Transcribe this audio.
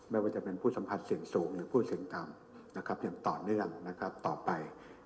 ไม่ว่าจะเป็นผู้สัมผัสเสี่ยงสูงหรือผู้เสี่ยงต่ำอย่างต่อเนื่องต่อไป